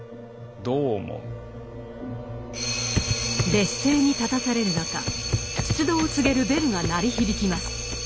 劣勢に立たされる中出動を告げるベルが鳴り響きます。